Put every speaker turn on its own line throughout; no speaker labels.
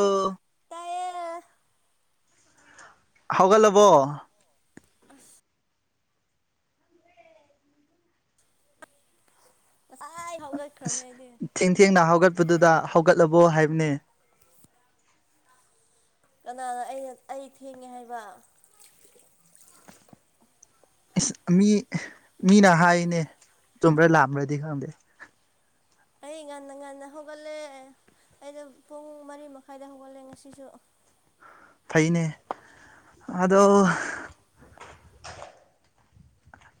ꯑꯥ
ꯍ
ꯍꯧꯒ ꯂꯕꯣ
ꯑꯁ ꯉꯁꯥꯏ ꯍꯧꯒꯠꯈ꯭ꯔꯕꯅꯦ ꯑꯩꯗꯤ
ꯊꯦꯡ ꯊꯦꯡ ꯅꯅꯥ ꯍꯧꯒ ꯗꯨꯗ ꯍꯧꯒꯠꯂꯕꯣ ꯍꯥꯏꯕꯅꯤ
ꯀꯅꯥꯅ ꯑꯩꯅ ꯑꯩ ꯊꯦꯡꯉꯦ ꯍꯥꯏꯕ
ꯏꯁ ꯃꯤ ꯃꯤꯅ ꯍꯥꯏꯅꯦ ꯆꯨꯝꯕ꯭ꯔꯥ ꯂꯥꯝꯕ꯭ꯔꯗꯤ ꯈꯪꯗꯦ
ꯑꯩ ꯉꯥꯟꯗ ꯉꯥꯟꯗ ꯍꯧꯒꯂꯦ ꯑꯩꯅ ꯄꯨꯡ ꯃꯔꯤ ꯃꯈꯥꯏꯗ ꯍꯧꯒꯠꯂꯦ ꯉꯁꯤꯁꯨ
ꯐꯩꯅꯦ ꯑꯗꯣ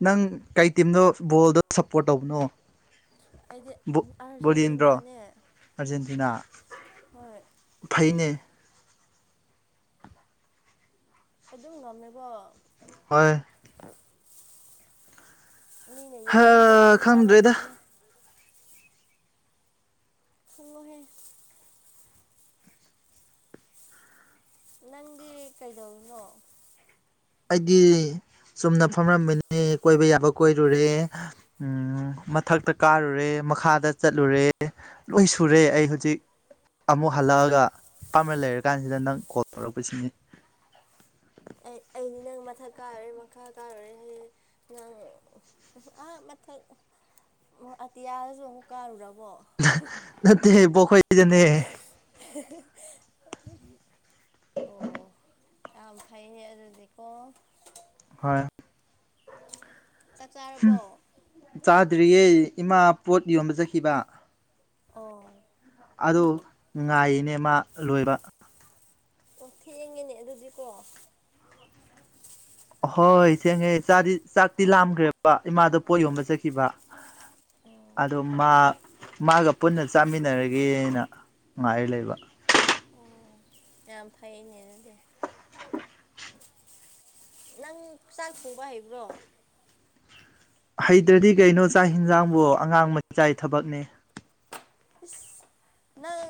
ꯅꯪ ꯀꯩ ꯇꯤꯝꯗꯣ ꯕꯣꯜꯗꯣ ꯁꯞꯄꯣꯔꯠ ꯇꯧꯕꯅꯣ
ꯑꯩꯗꯤ
ꯕꯣꯗꯤꯦꯟꯗ꯭ꯔꯣ
ꯑꯥꯔꯖꯦꯟꯇꯤꯅꯥꯅꯦ
ꯑꯥꯔꯖꯦꯟꯇꯤꯅꯥ
ꯍꯣꯏ
ꯐꯩꯅꯦ
ꯑꯗꯨꯝ ꯉꯝꯃꯦꯕꯣ
ꯍꯣꯏ
ꯃꯤꯅꯦ
ꯍꯥ
ꯌꯥꯅꯤ ꯍꯗ ꯁ
ꯈꯪꯗ꯭ꯔꯦꯗ
ꯌꯔꯣꯗꯅꯦ ꯑꯣꯍꯣꯏ ꯅꯪꯗꯤ ꯀꯩꯗꯧꯔꯤꯅꯣ
ꯑꯩꯗꯤ ꯆꯨꯝꯅ ꯐꯝꯂꯝꯝꯕꯅꯤ ꯀꯣꯏꯕ ꯌꯥꯕ ꯀꯣꯏꯔꯨꯔꯦ ꯎ ꯃꯊꯛꯇ ꯀꯥꯔꯨꯔꯦ ꯃꯈꯥꯗ ꯆꯠꯂꯨꯔꯦ ꯂꯣꯏ ꯁꯨꯔꯦ ꯑꯩ ꯍꯧꯖꯤꯛ ꯑꯃꯨꯛ ꯍꯜꯂꯛꯑꯒ ꯄꯥꯝꯅ ꯂꯩꯔꯀꯥꯟꯁꯤꯗ ꯅꯪ ꯀꯣꯜ ꯇꯧꯔꯛꯄꯁꯤꯅꯤ
ꯑꯩ ꯑꯩꯗꯤ ꯅꯪ ꯃꯊꯛ ꯀꯥꯔꯨꯔꯦ ꯃꯈꯥ ꯀꯥꯔꯨꯔꯦ ꯍꯥꯏ ꯅꯪ ꯑꯇꯌꯥꯁꯨ ꯀꯥ ꯎꯔ
ꯅ ꯄꯈꯣꯏꯖꯅꯦ
ꯑꯣ ꯑ ꯐꯩ ꯑꯗꯨꯗꯤꯀꯣ
ꯍꯣꯏ
ꯆꯥꯛ ꯆꯥꯔꯕꯣ
ꯗ꯭ꯔꯤꯌꯦ ꯏꯃꯥ ꯄꯣꯠ ꯌꯣꯟꯕꯖꯈꯤꯕ
ꯑꯣ
ꯁꯤꯅꯦꯃꯥ ꯂꯣꯏꯕ
ꯑꯣ ꯊꯤ ꯌꯦꯉꯅꯦ ꯑꯗꯨꯗꯤꯀꯣ
ꯑꯍꯣꯏ ꯊꯦꯡꯉꯦ ꯆꯥꯗꯤ ꯆꯥꯛꯇꯤ ꯂꯥꯝꯈ꯭ꯔꯦꯕ ꯏꯃꯥꯗꯣ ꯄꯣꯠ ꯌꯣꯟꯕ ꯆꯠꯈꯤꯕ ꯑꯣ ꯃꯥ ꯃꯥꯒ ꯄꯨꯟꯅ ꯆꯥꯃꯤꯟꯅꯔꯒꯦꯅ ꯉꯥꯏꯔꯤ ꯂꯩꯕ
ꯑꯣ ꯌꯥꯝ ꯐꯩꯅꯦ ꯑꯗꯨꯗꯤ ꯅꯪ ꯆꯥꯛ ꯊꯣꯡꯕ ꯍꯩꯕ꯭ꯔꯣ
ꯍꯩꯇ꯭ꯔꯗꯤ ꯀꯩꯅꯣ ꯆꯥꯛ ꯌꯦꯟꯁꯥꯡꯕꯨ ꯑꯉꯥꯡ ꯃ ꯆꯥꯏ ꯊꯕꯛꯅꯦ
ꯅꯪ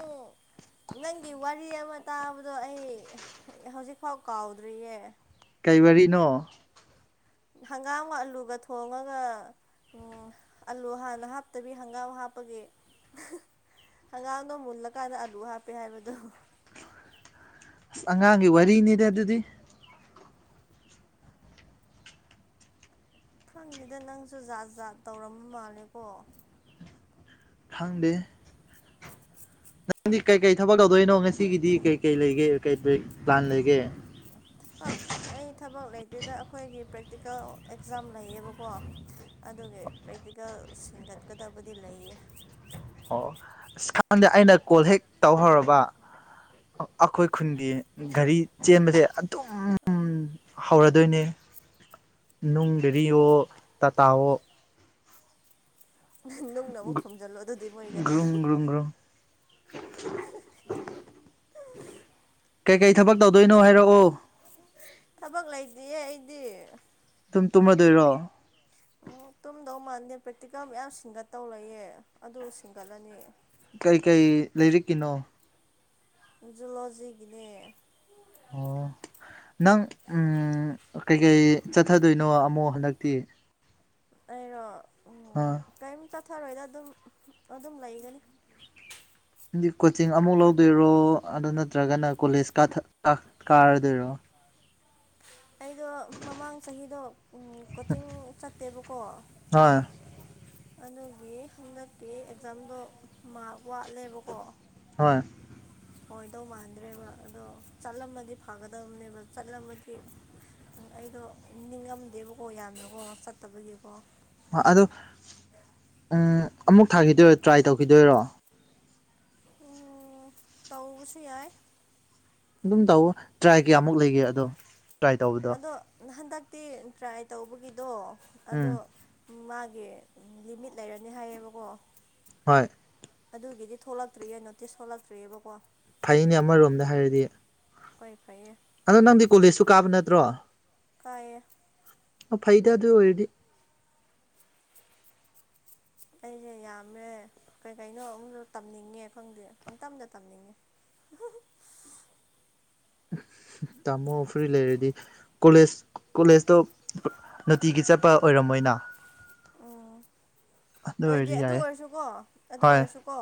ꯅꯪꯒꯤ ꯋꯥꯔꯤ ꯑꯃ ꯇꯥꯕꯗꯣ ꯑꯩ ꯍꯧꯖꯤꯛꯐꯥꯎ ꯀꯥꯎꯗ꯭ꯔꯤꯌꯦ
ꯀꯩ ꯋꯥꯔꯤꯅꯣ
ꯍꯪꯒꯥꯝꯒ ꯑꯂꯨꯒ ꯊꯣꯡꯉꯒ ꯎꯝ ꯑꯂꯨ ꯍꯥꯟꯅ ꯍꯥꯞꯇꯕꯤ ꯍꯪꯒꯥꯝ ꯍꯥꯞꯄꯒꯤ
[inaudible]
ꯍꯪꯒꯥꯥꯡꯗꯣ ꯃꯨꯜꯂꯀꯥꯟꯗ ꯑꯂꯨ ꯍꯥꯞꯄꯦ ꯍꯥꯏꯕꯗꯣ
ꯑꯁ ꯑꯉꯥꯡꯒꯤ ꯋꯥꯔꯤꯅꯤꯗꯤ ꯑꯗꯨꯗꯤ
ꯈꯪꯗꯦꯗ ꯅꯪꯁꯨ ꯖꯥꯠ ꯖꯥꯠ ꯇꯧꯔꯝꯕ ꯃꯥꯜꯂꯦꯀꯣ
ꯈꯪꯗꯦ ꯅꯪꯗꯤ ꯀꯩꯀꯩ ꯊꯕꯛ ꯇꯧꯗꯣꯏꯅꯣ ꯉꯁꯤꯒꯤꯗꯤ ꯀꯩ ꯀꯩ ꯂꯩꯒꯦ ꯀꯩ ꯄ꯭ꯂꯥꯟ ꯂꯩꯒꯦ [inaudible]
ꯑꯩ ꯊꯕꯛ ꯂꯩꯇꯦꯗ ꯑꯩꯈꯣꯏꯒꯤ ꯄ꯭ꯔꯦꯛꯇꯤꯀꯦꯜ ꯑꯦꯛꯖꯥꯝ ꯂꯩꯌꯦꯕꯀꯣ ꯑꯗꯨꯒꯤ ꯄ꯭ꯔꯦꯛꯇꯤꯀꯦꯜ ꯁꯤꯟꯒꯠꯀꯗꯕꯗꯤ ꯂꯩꯌꯦ
ꯑꯣ ꯑꯁ ꯈꯪꯗꯦ ꯑꯩꯅ ꯀꯣꯜ ꯍꯦꯛ ꯇꯧꯍꯧꯔꯕ ꯑꯩꯈꯣꯏ ꯈꯨꯟꯒꯤ ꯒꯥꯔꯤ ꯆꯦꯟꯕꯁꯦ ꯑꯗꯨꯝ ꯍꯧꯔꯗꯣꯏꯅꯦ ꯅꯨꯡꯗꯔꯤꯋꯣ ꯇꯥꯇꯥꯋꯣ
ꯅꯪꯅ ꯑꯃꯨꯛ ꯐꯝꯖꯤꯜꯂꯣ ꯑꯗꯨꯗꯤ ꯃꯣꯏ ꯒꯥꯔꯤꯗꯨ
ꯒ꯭ꯔꯨꯡ ꯒ꯭ꯔꯨꯡ ꯒ꯭ꯔꯨꯡ [inaudible] ꯀꯩꯀꯩ ꯊꯕꯛ ꯇꯧꯗꯣꯏꯅꯣ ꯍꯥꯏꯔꯛꯑꯣ
ꯊꯕꯛ ꯂꯩꯇꯌꯦ ꯑꯩꯗꯤ
ꯁꯨꯝ ꯇꯨꯝꯃꯗꯣꯏꯔꯣ
ꯎ ꯇꯨꯝꯗꯧ ꯃꯥꯥꯟꯗꯦ ꯄ꯭ꯔꯦꯛꯇꯤꯀꯦꯜ ꯃꯌꯥꯝ ꯁꯤꯡꯒꯠꯇꯧ ꯂꯩꯌꯦ ꯑꯗꯨ ꯁꯤꯡꯒꯠꯂꯅꯤ
ꯀꯩ ꯀꯩ ꯂꯩꯔꯤꯀꯤꯅꯣ
ꯖꯨꯂꯣꯖꯤꯒꯤꯅꯦ
ꯑꯣ ꯅꯪ ꯀꯩꯀꯩ ꯆꯠꯊꯗꯣꯏꯅꯣ ꯑꯃꯨꯛ ꯍꯟꯗꯛꯇꯤ
ꯑꯩꯅ
ꯍꯥ
ꯆꯠꯊꯔꯣꯏꯗ ꯑꯗꯨꯝ ꯑꯗꯨꯝ ꯂꯩꯒꯅꯤ
ꯗꯤ ꯀꯣꯆꯤꯡ ꯑꯃꯨꯛ ꯂꯧꯗꯣꯏꯔꯣ ꯑꯗꯨ ꯅꯠꯇ꯭ꯔꯒꯅ ꯀꯣꯂꯦꯖ ꯀꯥꯔꯗꯣꯏꯔꯣ
ꯑꯩꯗꯣ ꯃꯃꯥꯡ ꯆꯍꯤꯗꯣ ꯀꯣꯆꯤꯡ ꯆꯠꯇꯦꯕꯀꯣ
[inaudible]
ꯑꯗꯨꯒꯤ ꯍꯟꯗꯛꯀꯤ ꯑꯦꯛꯖꯥꯝꯗꯣ ꯃꯥꯔꯛ ꯋꯥꯠꯂꯦꯕꯀꯣ
ꯍꯣꯏ
ꯑꯣꯏꯣꯏꯗꯧ ꯃꯥꯟꯗ꯭ꯔꯦꯕ ꯑꯗꯣ ꯆꯠꯂꯝꯃꯗꯤ ꯐꯒꯗꯕꯅꯦꯕ ꯆꯠꯂꯝꯃꯗꯤ ꯎꯝ ꯑꯩꯗꯣ ꯅꯤꯡꯉꯝꯗꯦꯕꯀꯣ ꯌꯥꯝꯅꯀꯣ ꯆꯠꯇꯕꯒꯤꯀꯣ
ꯑꯗꯣ ꯎ ꯑꯃꯨꯛ ꯊꯥꯈꯤꯗꯣꯏꯔꯣ ꯇ꯭ꯔꯥꯏ ꯇꯧꯈꯤꯗꯣꯏꯔꯣ
ꯎꯝ ꯇꯧꯕꯁꯨ ꯌꯥꯏ
ꯑꯗꯨꯝ ꯇꯧꯑꯣ ꯇ꯭ꯔꯥꯏ ꯀꯌꯥꯃꯨꯛ ꯂꯩꯒꯦ ꯑꯗꯣ ꯇ꯭ꯔꯥꯏ ꯇꯧꯕꯗꯣ
ꯑꯗꯣ ꯍꯟꯗꯛꯇꯤ ꯇ꯭ꯔꯥꯏ ꯇꯧꯕꯒꯤꯗꯣ ꯑꯗꯣ
ꯎꯝ
ꯃꯥꯒꯤ ꯂꯤꯃꯤꯠ ꯂꯩꯔꯅꯤ ꯍꯥꯏꯌꯦꯕꯀꯣ
ꯍꯣꯏ
ꯑꯗꯨꯒꯤꯗꯤ ꯊꯣꯛꯂꯛꯇ꯭ꯔꯤꯌꯦ ꯅꯣꯇꯤꯁ ꯊꯣꯛꯂꯛꯇ꯭ꯔꯤꯑꯕꯀꯣ
ꯐꯩꯅꯦ ꯑꯃꯔꯣꯝꯗ ꯍꯥꯏꯔꯗꯤ
ꯀꯣꯏ ꯐꯥꯏ
ꯑꯗꯣ ꯅꯪꯗꯤ ꯀꯣꯂꯦꯖꯁꯨ ꯀꯥꯕ ꯅꯠꯇ꯭ꯔꯣ
ꯇꯥꯏꯌꯦ
ꯐꯩꯗ ꯑꯗꯨ ꯑꯣꯏꯗꯤ
ꯑꯩꯁꯦ ꯌꯥꯝꯃꯦ ꯀꯩ ꯀꯩꯅꯣ ꯑꯨꯁꯨ ꯇꯝꯅꯤꯡꯉꯦ ꯈꯪꯗꯦ ꯄꯪꯇꯝꯗ ꯇꯝꯅꯤꯡꯉꯦ
[inaudible] ꯇꯥꯃꯣ ꯐꯨꯔꯤ ꯂꯩꯔꯗꯤ ꯀꯣꯂꯦꯖ ꯀꯣꯂꯦꯖꯇꯣ ꯅꯨꯡꯇꯤꯒꯤ ꯆꯠꯄ ꯑꯣꯏꯔꯝꯃꯣꯏ ꯑꯅꯥ
ꯎ ꯑꯣꯏꯗꯤꯦ ꯑꯗꯨ
ꯌꯥꯏꯌꯦ
ꯑꯣꯏꯔꯁꯨꯀꯣ ꯑꯗꯨ
ꯍꯣꯏ
ꯑꯣꯏꯔꯁꯨꯀꯣ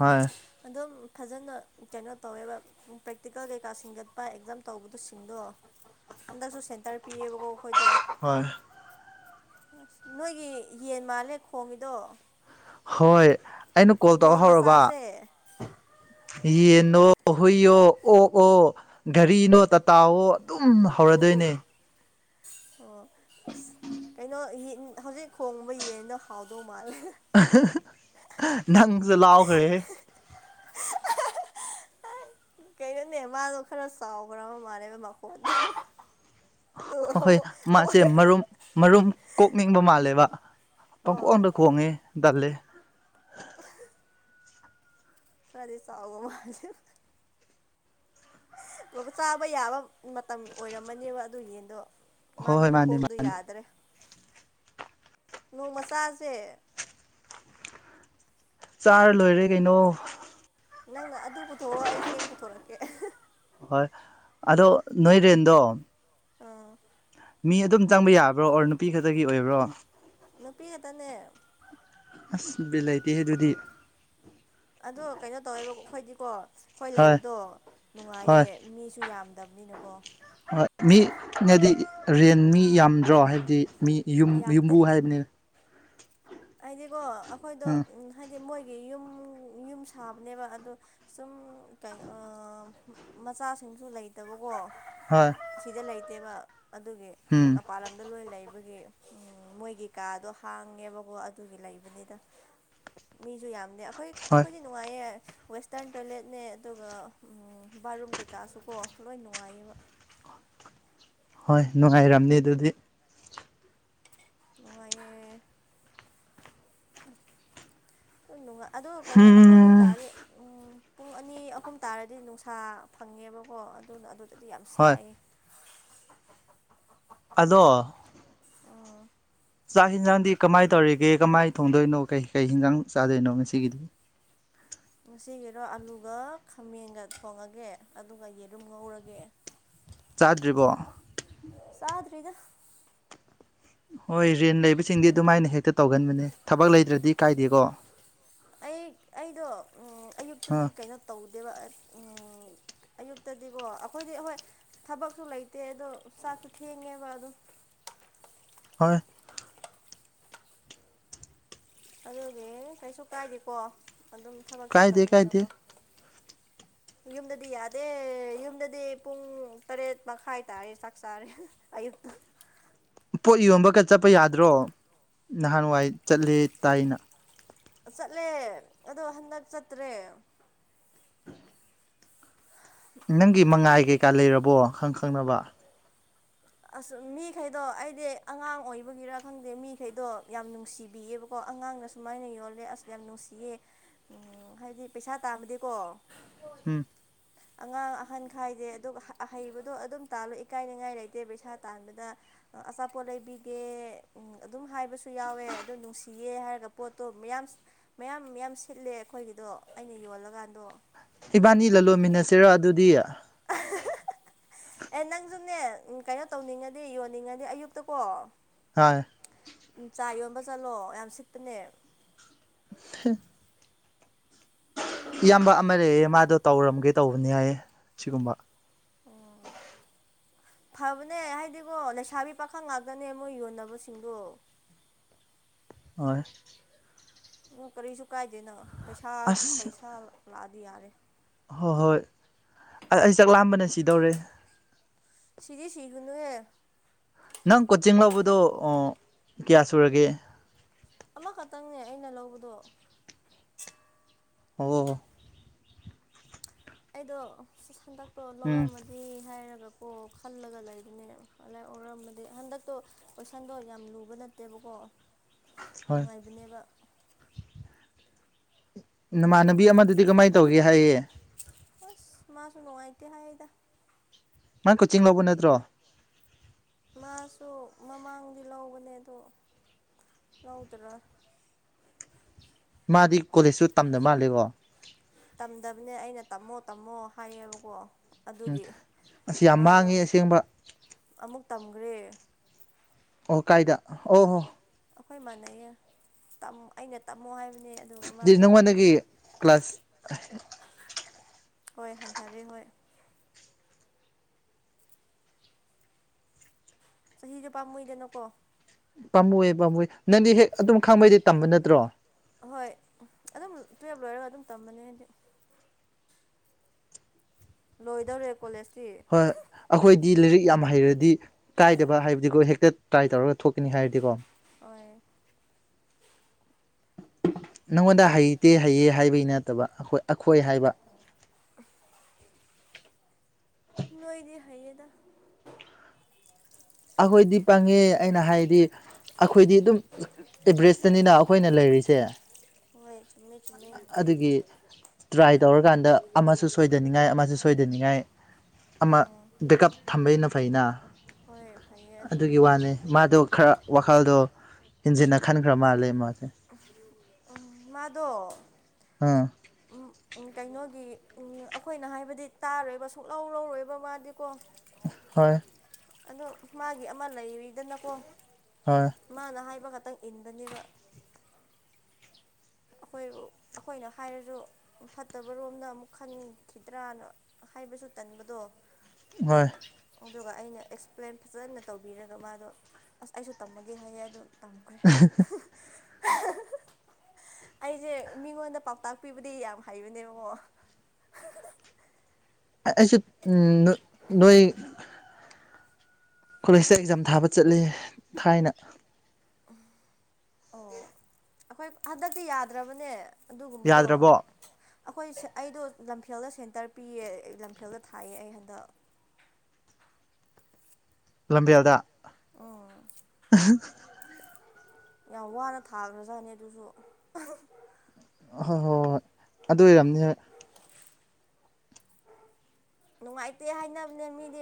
ꯍꯣꯏ
ꯑꯗꯨꯝ ꯐꯖꯅ ꯀꯩꯅꯣ ꯇꯧꯋꯦꯕ ꯄ꯭ꯔꯦꯛꯇꯤꯀꯦꯜ ꯀꯩꯀꯥ ꯁꯤꯡꯒꯠꯄ ꯑꯦꯛꯖꯥꯝ ꯇꯧꯕꯗꯁꯤꯡꯗꯣ ꯀꯗꯁꯨ ꯁꯦꯟꯇꯔ ꯄꯤꯑꯕ ꯀꯣ ꯑꯩꯈꯣꯏꯗꯣ
ꯍꯣꯏ
ꯑꯁ ꯅꯣꯏꯒꯤ ꯌꯦꯟ ꯃꯥꯜꯂꯦ ꯈꯣꯡꯉꯤꯗꯣ
ꯍꯣꯏ ꯑꯩꯅ ꯀꯣꯜ ꯇꯧꯔ
ꯅꯣꯡ
ꯍꯧꯔꯕ
ꯃꯆꯥꯁꯦ
ꯌꯦꯟꯅꯣ ꯍꯨꯏꯌꯣ ꯑꯣꯛ ꯑꯣ ꯘꯔꯤꯅꯣ ꯇꯥꯇꯥꯥꯎꯋ ꯑꯗꯨꯝ ꯍꯧꯔꯗꯣꯏꯅꯦ
ꯑꯣ ꯑꯁ ꯀꯩꯅꯣ ꯍꯧꯖꯤꯛ ꯈꯣꯡꯕ ꯌꯦꯟꯅ ꯍꯥꯎꯗꯧꯕ
ꯅꯪ ꯆ ꯂꯥꯎꯈꯔꯦ
ꯀꯩꯅꯣꯅꯦ ꯃꯥꯗꯣ ꯈꯔ ꯆꯥꯎꯈ꯭ꯔꯕ ꯃꯥꯜꯂꯕ ꯃꯀꯣꯟꯗꯣ
ꯍꯍꯣꯏ ꯃꯥꯁꯦ ꯃꯔꯨꯝ ꯃꯔꯨꯝ ꯀꯣꯛꯅꯤꯡꯕ ꯃꯥꯜꯂꯦꯕ ꯄ ꯀꯣꯛ
ꯑꯣ
ꯑꯗ ꯈꯉꯦ ꯗꯂꯦ
ꯐꯔꯤ ꯁꯥꯕ ꯃꯥo ꯕ ꯆꯥꯕ ꯌꯥꯕ ꯃꯇꯝ ꯑꯣꯏꯔꯝꯃꯅꯦꯕ ꯑꯗꯨ ꯌꯦꯟꯗꯣ
ꯍꯣꯏ
ꯃꯥꯒꯤ
ꯍꯣꯏ ꯃꯥꯅꯦ
ꯈꯨꯈꯣꯡꯗꯨ
ꯃꯥꯅꯦ
ꯌꯥꯗ꯭ꯔꯦ ꯅꯣꯡ ꯃꯆꯥꯥꯁꯦ
ꯆꯥꯔ ꯂꯣꯏꯔꯦ ꯀꯩꯅꯣ
ꯅꯪꯅ ꯑꯗꯨ ꯄꯨꯊꯣꯛꯑꯣ ꯑꯩ ꯆꯦꯡ ꯄꯨꯊꯣꯔꯛꯀꯦ
ꯍꯣꯏ ꯑꯗꯣ ꯅꯣꯏꯦꯟꯗ
ꯑꯥ
ꯃꯤ ꯑꯗꯨꯝ ꯆꯪꯕ ꯌꯥꯕ꯭ꯔꯣ ꯑꯣꯔ ꯅꯨꯄꯤ ꯈꯛꯇꯒꯤ ꯑꯣꯏꯕ꯭ꯔꯣ
ꯅꯨꯄꯤ ꯈꯦꯛꯇꯅꯦ
ꯑꯁ ꯕꯤꯂꯇꯤ ꯍꯦ ꯑꯗꯨꯗꯤ
ꯑꯗꯣ ꯀꯩꯅꯣ ꯇꯧꯋꯦꯕ ꯑꯩꯈꯣꯏꯗꯤꯀꯣ ꯑꯩꯈꯣꯏ
ꯍꯣꯏ
ꯂꯩꯕꯗꯣ
ꯍꯣꯏ
ꯅꯨꯡꯉꯥꯏꯌꯦ ꯃꯤꯁꯨ ꯌꯥꯝ ꯗꯕꯅꯤ ꯅꯀꯣ
ꯍꯣꯏ ꯃꯤꯅꯗꯤ ꯔꯦꯟ ꯃꯤ ꯌꯥꯝꯗ꯭ꯔꯣ ꯍꯥꯏꯕꯗꯤ ꯃꯤ ꯌꯨꯝ
ꯌꯥꯝꯗꯦ
ꯌꯨꯝꯕꯨ ꯍꯥꯏꯕꯅꯦ
ꯍꯥꯏꯗꯤꯀꯣ ꯑꯩꯈꯣꯏꯗꯣ
ꯎꯝ
ꯎ ꯍꯥꯏꯗꯤ ꯃꯣꯏꯒꯤ ꯌꯨꯝ ꯌꯨꯝ ꯁꯥꯕꯅꯦꯕ ꯑꯗꯣ ꯁꯨꯝ ꯀꯩꯅ ꯃꯆꯥꯁꯤꯡꯁꯨ ꯂꯩꯇꯕꯀꯣ
ꯍꯣꯏ
ꯑꯁꯤꯗ ꯂꯩꯇꯦꯕ ꯑꯗꯨꯒꯤ
ꯎꯝ
ꯃꯄꯥꯟ ꯂꯝꯗ ꯂꯣꯏ ꯂꯩꯕ ꯑꯩꯒꯤ ꯎ ꯃꯣꯏꯒꯤ ꯀꯥꯗꯣ ꯍꯥꯡꯉꯦꯕꯀꯣ ꯑꯗꯨꯒꯤ ꯂꯩꯕꯅꯤꯗ ꯃꯤꯁꯨ ꯌꯥꯝꯗ ꯑꯩꯈꯣꯏ
ꯍꯣꯏ
ꯑꯩꯈꯣꯏꯁꯦ ꯅꯨꯡꯉꯥꯏꯌꯦ ꯋꯦꯁꯇꯔꯟ ꯇꯣꯏꯂꯦꯠꯅꯦ ꯑꯗꯨꯒ ꯕꯥꯠꯔꯨꯝ ꯀꯩꯀꯥꯁꯨꯀꯣ ꯂꯣꯏ ꯅꯨꯡꯉꯥꯏꯌꯦꯕ
ꯍꯣꯏ ꯅꯨꯡꯉꯥꯏꯔꯝꯅꯤ ꯑꯗꯨꯗꯤ
ꯅꯨꯡꯉꯥꯏ ꯅꯨꯡꯉ ꯑꯗꯣ ꯀꯩꯅꯣ ꯑꯩꯈꯣꯏꯒꯤ
ꯎꯝ
ꯀꯥꯥꯁꯦ ꯄꯨꯡ ꯑꯅꯤ ꯑꯍꯨꯝ ꯇꯥꯔꯗꯤ ꯅꯨꯡꯁꯥ ꯐꯪꯉꯦꯕꯀꯣ ꯑꯗꯨꯅ ꯑꯗꯨꯗꯗꯤ ꯌꯥꯝ
ꯍꯣꯏ
ꯁꯥꯏ
ꯑꯗꯣ
ꯑ
ꯆꯥꯛ ꯌꯦꯤꯟꯖꯥꯡꯗꯤ ꯀꯃꯥꯏꯅ ꯇꯧꯔꯤꯒꯦ ꯀꯃꯥꯏ ꯊꯣꯡꯗꯣꯏꯅꯣ ꯀꯩ ꯀꯩ ꯍꯟꯖꯥꯡ ꯆꯥꯗꯣꯏꯅꯣ ꯉꯁꯤꯒꯤꯗꯤ
ꯉꯁꯤꯒꯤꯩꯅꯣ ꯑꯂꯨꯒ ꯈꯥꯃꯦꯟꯒ ꯊꯣꯡꯉꯒꯦ ꯑꯗꯨꯒ ꯌꯦꯂꯨꯝ ꯉꯧꯔꯒꯦ
ꯆꯥꯗ꯭ꯔꯤꯕꯣ
ꯑꯥꯗꯔꯗ
ꯍꯣꯏ ꯔꯔꯤꯟ ꯂꯩꯕꯁꯤꯡꯗꯤ ꯑꯗꯨꯃꯥꯏꯅ ꯍꯦꯛꯇ ꯇꯧꯒꯟꯕꯅꯦ ꯊꯕꯛ ꯂꯩꯗ꯭ꯔꯗꯤ ꯀꯥꯏꯗꯦꯀꯣ
ꯑꯩ ꯑꯩꯗꯣ ꯑꯌꯨꯛꯇꯗꯤ
ꯑꯥ
ꯀꯩꯅꯣ ꯇꯧꯗꯦꯕ ꯑꯌꯨꯛꯇꯗꯤꯀꯣ ꯑꯩꯈꯣꯏꯗꯤ ꯍꯣꯏ ꯊꯕꯛꯁꯨ ꯂꯩꯇꯦ ꯑꯗꯣ ꯆꯥꯛꯁꯨ ꯊꯦꯡꯉꯦꯕ ꯑꯗꯨꯝ
ꯍꯣꯏ
ꯑꯗꯨꯗꯤ ꯀꯩꯁꯨ ꯀꯥꯏꯗꯦꯀꯣ ꯑꯗꯨꯝ ꯊꯕꯛ
ꯀꯥꯏꯗꯦ ꯀꯥꯏꯗꯦ
ꯆꯠꯇꯕꯅꯤꯅꯀꯣ
[inaudible]
ꯌꯨꯝꯗꯗꯤ ꯌꯥꯗꯦ ꯌꯨꯝꯗꯗꯤ ꯄꯨꯡ ꯇꯔꯦꯠ ꯃꯈꯥꯏ ꯇꯥꯔꯦ ꯆꯥꯛ ꯆꯥꯔꯦꯨ [inaudible]
[inaudible] ꯄꯣꯠ ꯌꯣꯟꯕꯒ ꯆꯠꯄ ꯌꯥꯗ꯭ꯔꯣ ꯅꯍꯥꯟꯋꯥꯏ ꯆꯠꯂꯦ ꯇꯥꯏꯅ
ꯆꯠꯂꯦ ꯑꯗꯣ ꯍꯟꯗꯛ ꯆꯠꯇ꯭ꯔꯦ
ꯅꯪꯒꯤ ꯃꯉꯥꯏ ꯀꯩꯀꯥ ꯂꯩꯔꯕꯣ ꯈꯪ ꯈꯪꯅꯕ
ꯑꯁ ꯃꯤꯈꯩꯗꯣ ꯑꯩꯗꯤ ꯑꯉꯥꯡ ꯑꯣꯏꯕꯒꯤꯔꯥ ꯈꯪꯗꯦ ꯃꯤꯈꯩꯗꯣ ꯌꯥꯝ ꯅꯨꯡꯁꯤꯕꯤꯌꯦꯕꯀꯣ ꯑꯉꯥꯡꯅ ꯁꯨꯃꯥꯏꯅ ꯌꯣꯜꯂꯦ ꯑꯁ ꯌꯥꯝ ꯅꯨꯡꯁꯤꯌꯦ ꯍꯥꯏꯗꯤ ꯄꯩꯁꯥ ꯇꯥꯕꯗꯤꯀꯣ
ꯍꯝ
ꯑꯉꯥꯡ ꯑꯍꯟ ꯈꯥꯏꯗꯦ ꯑꯗꯨꯒ ꯑꯍꯩꯕꯗꯣ ꯑꯗꯨꯝ ꯇꯥꯂꯣ ꯏꯀꯥꯏꯅꯤꯉꯥꯏ ꯂꯩꯇꯦ ꯦ ꯄꯩꯁꯥ ꯇꯥꯟꯕꯗ ꯑꯆꯥꯄꯣꯠ ꯂꯩꯕꯤꯒꯦ ꯑꯗꯨꯝ ꯍꯥꯏꯕ ꯨ ꯌꯥꯎꯋꯦ ꯑꯗꯨ ꯅꯨꯡꯁꯤ ꯌꯦ ꯍꯥꯏꯔꯒ ꯄꯣꯠꯇꯣ ꯃꯌꯥꯝ ꯃꯌꯥꯝ ꯃꯌꯥꯝ ꯁꯤꯠꯂꯦ ꯑꯩꯈꯣꯏꯒꯤꯗꯣ ꯑꯩꯅ ꯌꯣꯜꯂꯀꯥꯟꯗꯣ
ꯏꯕꯥꯅꯤ ꯂꯂꯣꯟꯃꯤꯟꯅꯁꯤꯔꯣ ꯑꯗꯨꯗꯤ
ꯑꯦ ꯅꯪꯁꯨꯅꯦ ꯀꯩꯅꯣ ꯇꯧꯅꯤꯡꯉꯗꯤ ꯌꯣꯟꯅꯤꯡꯉꯗꯤ ꯑꯌꯨꯛꯇꯀꯣ
ꯍꯣꯏ
ꯎ ꯆꯥ ꯌꯣꯟꯕ ꯆꯠꯂꯣ ꯌꯥꯝ ꯁꯤꯄꯅꯦ
ꯐ ꯏꯌꯥꯝꯕ ꯑꯃ ꯂꯩꯌꯦꯦ ꯃꯥꯗꯣ ꯇꯧꯔꯝꯒꯦ ꯇꯧꯕꯅꯤ ꯍꯥꯏꯌꯦ ꯁꯤꯒꯨꯝꯕ [inaudible] [inaudible]
ꯐꯕꯅꯦ ꯍꯥꯏꯗꯤꯀꯣ ꯂꯩꯁꯥꯕꯤ ꯄꯥꯈꯪ ꯉꯥꯛꯇꯅꯦ ꯃꯣꯏ ꯌꯣꯟꯅꯕꯁꯤꯡꯗꯣ
ꯑ
ꯎ ꯀꯔꯤꯁꯨ ꯀꯥꯏꯗꯦꯅ ꯄꯩꯁꯥ
ꯑꯁ
ꯄꯩꯁꯥ ꯂꯥꯛꯑꯗꯤ ꯌꯥꯔꯦ
ꯍꯣꯏ ꯍꯣꯏ ꯑꯩ ꯆꯥꯛ ꯂꯥꯝꯕꯅ ꯁꯤꯗꯧꯔꯦ
ꯁꯤꯔꯤꯁꯤ ꯍꯨꯅꯨꯋꯦ
ꯅꯪ ꯀꯣꯆꯤꯡ ꯂꯧꯕꯗꯣ ꯀꯌꯥ ꯁꯨꯔꯒꯦ
ꯑꯃꯈꯛꯇꯪꯅꯦ ꯑꯩꯅ ꯂꯧꯕꯗꯣ
ꯑꯣ
ꯑꯩꯗꯣ ꯍꯟꯗꯛꯇꯣ
ꯎꯝ
ꯂꯧꯔꯝꯃꯗꯤ ꯍꯥꯏꯔꯒ ꯀꯣ ꯈꯜꯂꯒ ꯂꯩꯕꯅꯦ ꯑꯗꯨꯥꯏ ꯑꯣꯏꯔꯝꯕꯗꯤ ꯍꯟꯗꯛꯇꯣ ꯀꯣꯏꯁꯟꯗꯣ ꯌꯥꯝ ꯂꯨꯕ ꯅꯠꯇꯦꯕꯀꯣ ꯑꯣ
ꯍꯣꯏ
ꯅꯨꯡꯉꯥꯏꯕꯅꯦꯕ
ꯅꯃꯥꯟꯅꯕꯤ
ꯑꯗꯨꯒ
ꯑꯃꯗꯗꯤ ꯀꯃꯥꯏꯅ ꯇꯧꯒꯦ ꯍꯥꯏꯌꯦ
ꯑꯁ ꯃꯥꯁꯨꯅꯣꯉ ꯏꯇ ꯍꯥꯏꯗ
ꯃꯥꯪ ꯀꯣꯆꯤꯡ ꯂꯧꯕ ꯅꯠꯇ꯭ꯔꯣ
ꯃꯥꯁꯨ ꯃꯃꯥꯡꯗꯤ ꯂꯧꯕꯅꯦ ꯑꯗꯣ ꯂꯧꯎꯗꯔꯥ
ꯃꯥꯗꯤ ꯀꯣꯂꯦꯖꯁꯨ ꯇꯝꯗ ꯃꯥꯜꯂꯦꯀꯣ
ꯇꯝꯗꯕꯅꯦ ꯑꯩꯅ ꯇꯝꯃꯣ ꯇꯝꯃꯣ ꯍꯥꯏꯌꯦꯕꯀꯣ
ꯎꯝ
ꯑꯗꯨꯒꯤ
ꯑꯁꯤꯁ ꯌꯥꯝ
ꯃꯥꯗꯣ
ꯃꯥꯡꯉꯤ ꯑꯁꯦꯡꯕ
ꯑꯃꯨꯛ ꯇꯝꯈ꯭ꯔꯦ
ꯑꯣ ꯀꯥꯏꯗ ꯑꯣ ꯍꯣ
ꯑꯩꯈꯣꯏꯃꯥꯟꯅꯩꯌꯦ ꯑꯩꯅ ꯇꯝꯃꯣ ꯍꯥꯏꯕ
ꯅꯪꯉꯣꯟꯅꯗꯒꯤ ꯀ꯭ꯂꯥꯁ
ꯍꯣꯏ ꯍꯟꯊꯔꯦ ꯍꯣꯏ ꯆꯍꯤꯗꯤ ꯄꯥꯝꯃꯨꯏꯗꯅꯀꯣ
ꯄꯥꯝꯃꯨꯑ ꯄꯥꯝꯃꯨꯑꯦ ꯅꯪꯗꯤ ꯍꯦꯛ ꯑꯗꯨꯝ ꯈꯪꯕꯩꯗꯤ ꯇꯝꯕ ꯅꯠꯇ꯭ꯔꯣ
ꯍꯣꯏ ꯑꯗꯨꯝ ꯇꯨꯌꯦꯜꯞ ꯂꯣꯏꯔꯒ ꯑꯗꯨꯝ ꯇꯝꯕꯅꯦ ꯍꯥꯏꯗꯤ ꯂꯣꯏꯗꯧꯔꯦ ꯀꯣꯂꯦꯁ
ꯍꯣꯏ ꯑꯩꯈꯣꯏꯗꯤ ꯂꯥꯏꯔꯤꯛ ꯌꯥꯝ ꯍꯩꯔꯗꯤ ꯀꯥꯏꯗꯕ ꯍꯥꯏꯕꯗꯤ ꯍꯦꯛꯇ ꯇ꯭ꯔꯥꯏ ꯇꯧꯔꯒ ꯊꯣꯛꯀꯅꯤ ꯍꯥꯏꯔꯗꯤꯀꯣ꯫
ꯍꫭꯏ
ꯅꯪꯉꯣꯟꯗ ꯍꯩꯇꯦ ꯍꯩꯌꯦ ꯍꯥꯏꯕꯒꯤ ꯅꯠꯇꯕꯥ ꯑꯩꯈꯣꯏ ꯍꯥꯏꯕ꯫
ꯅꯣꯏꯗꯤ ꯍꯩꯌ°ꯗꯥ
ꯑꯩꯈꯣꯏꯗꯤ ꯄꯪꯉꯦ ꯑꯩꯅ ꯍꯥꯏꯗꯤ ꯑꯩꯈꯣꯏꯗꯤ ꯑꯗꯨꯝ ꯑꯦꯚꯔꯦꯁꯇꯅꯤꯅ ꯑꯩꯈꯣꯏꯅ ꯂꯩꯕꯁꯤ꯫ ꯂꯩꯔꯤꯁꯦ
ꯍꯣꯏꯏ
ꯑꯗꯨꯒꯤ ꯇ꯭ꯔꯥꯏ ꯇꯧꯔꯀꯥꯟꯗ ꯑꯃꯁꯨ ꯁꯣꯏꯗꯅꯕꯥ ꯁꯣꯏꯗꯅꯤꯡꯉꯥꯏꯒꯤ ꯑꯃꯁꯨ ꯁꯣꯏꯗꯅꯤꯡꯉꯥꯏ ꯑꯃ
ꯎꯝ
ꯕꯦꯛꯀꯀꯞ ꯊꯝꯕꯩꯅ ꯐꯩꯅꯥ
ꯍꯣꯏ ꯐꯩꯌꯦ ꯑꯗꯨꯅꯤ
ꯋꯥꯈꯜꯗꯣ ꯍꯦꯟꯖꯤꯟꯅ ꯈꯟꯈ꯭ꯔꯕꯥ ꯃꯥꯜꯂꯦ ꯃꯥꯏ
ꯎꯝꯝ ꯃꯥꯗꯣ꯫
ꯍꯥꯥꯍ
ꯀꯩꯅꯣꯒꯤ ꯑꯩꯈꯣꯏꯅ ꯍꯥꯏꯕꯗꯤ ꯇꯥꯔꯣꯏꯕꯥ ꯁꯨꯛꯂꯧ ꯂꯧꯔꯣꯏꯗꯕꯅꯤ ꯃꯥꯗꯤꯀꯣ
ꯍꯣꯏꯏꯏ
ꯑꯗꯣ ꯃꯥꯒꯤ ꯑꯃꯗꯤ ꯂꯩꯔꯤꯗꯅꯀꯣ
ꯍꯣꯏ
ꯃꯥꯅ ꯍꯥꯏꯕ ꯈꯛꯇꯪ ꯅꯪ ꯏꯟꯒꯅꯤꯕꯥ ꯑꯩꯈꯣꯏꯁꯨ ꯑꯩꯈꯣꯏꯅ ꯍꯥꯏꯔꯁꯨ ꯐꯠꯇꯕꯔꯣꯝꯗꯥ ꯑꯃꯨꯛ ꯈꯟꯈꯤꯗ꯭ꯔꯅꯥ ꯍꯥꯏꯕꯁꯨ ꯇꯟꯕꯗꯨꯅꯤ
ꯍꯣꯏꯏo
ꯑꯗꯨꯒ ꯑꯩꯅ ꯑꯦꯛꯁꯄ꯭ꯂꯦꯟ ꯐꯖꯅ ꯇꯧꯕꯤꯔꯒꯥ ꯃꯥꯗꯣꯁꯨ ꯑꯁ ꯑꯩꯁꯨ ꯇꯝꯃꯒꯦ ꯍꯥꯏꯌꯦ ꯑꯗꯣ꯫
[unintelligible]
[unintelligible] ꯑꯩꯁꯦ ꯃꯤꯉꯣꯟꯗ ꯄꯥꯎꯇꯥꯛ ꯄꯤꯕꯗꯗꯤ ꯌꯥꯝ ꯍꯩꯕꯅꯦꯕꯀꯣ꯫
ꯑꯩꯁꯨ ꯎꯝ ꯅꯣꯏꯒꯤ ꯀꯣꯂꯦꯁꯇꯥ ꯑꯦꯛꯖꯥꯝ ꯊꯥꯕ ꯆꯠꯂꯤ ꯊꯥꯏꯅ꯫
ꯎꯝ ꯑꯣ ꯑꯩꯈꯣꯏ ꯍꯟꯗꯛꯇꯤ ꯌꯥꯟꯗ꯭ꯔꯕꯅꯤ ꯑꯗꯨꯒꯨꯝꯕꯗꯨ꯫
ꯌꯥꯗ꯭ꯔꯕꯣ
ꯑꯩꯈꯣꯏ ꯑꯩꯗꯣ ꯂꯝꯐꯦꯜꯗ ꯁꯦꯟꯇꯔ ꯄꯤꯌꯦ ꯂꯝꯐꯦꯜꯗ ꯊꯥꯏ ꯑꯩ ꯍꯟꯗꯛ꯫
[inaudible] ꯂꯝꯕ°ꯟ ꯗꯥ
ꯎꯝ
ꯑꯍꯥ
ꯌꯥꯝꯅ ꯋꯥꯅ ꯊꯥꯈ꯭ꯔꯖꯥꯠꯅꯤ ꯑꯗꯨꯁꯨ꯫
ꯍꯣꯏ ꯍꯣꯏ ꯍꯣꯏ ꯑꯗꯨ ꯑꯣꯏꯔꯝꯅꯤ ꯅꯪ
ꯅꯨꯡꯉꯥꯏꯇꯦ ꯍꯥꯏꯅꯕꯅꯤ ꯃꯤꯗꯤ꯫